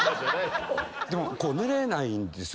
でも寝れないんです。